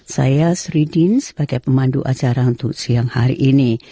saya sri dean sebagai pemandu acara untuk siang hari ini